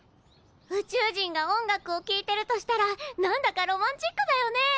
宇宙人が音楽をきいてるとしたら何だかロマンチックだよね。